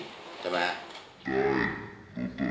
ได้โรตเตอรี่จากแม่ค้าไปจริง